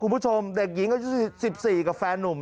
คุณผู้ชมเด็กหญิงอายุ๑๔กับแฟนนุ่ม